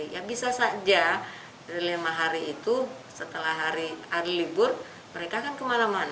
ya bisa saja dari lima hari itu setelah hari libur mereka kan kemana mana